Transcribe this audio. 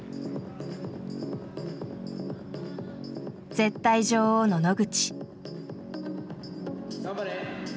絶対女王の野口。